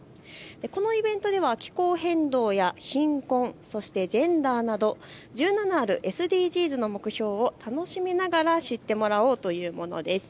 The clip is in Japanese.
このイベントでは気候変動や貧困、そしてジェンダーなど１７あるＳＤＧｓの目標を楽しみながら知ってもらおうというものです。